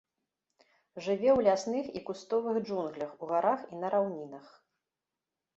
Жыве ў лясных і кустовых джунглях у гарах і на раўнінах.